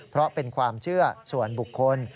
เพราะเป็นความเชื่อส่วนบุคคล